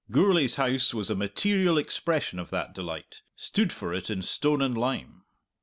Gourlay's house was a material expression of that delight, stood for it in stone and lime.